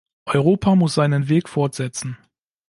Europa muss seinen Weg fortsetzen.